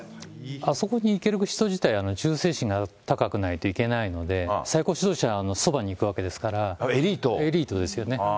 あそこに行ける人自体、忠誠心が高くないと行けないので、最高指導者のそばに行くわけですエリート？